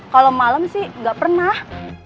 kalau malam sih nggak pernah